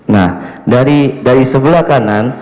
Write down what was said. nah dari sebelah kanan